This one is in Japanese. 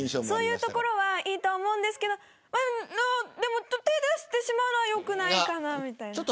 そういうところはいいと思いますがでも手を出してしまうのは良くないかなみたいな。